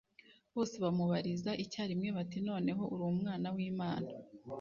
bose bamubariza icyarimwe bati, “noneho uri umwana w’imana?”